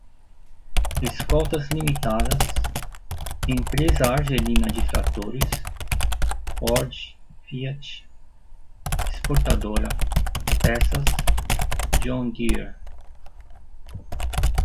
escoltas limitadas, empresa argelina de tratores, ford, fiat, exportadora, peças, john deere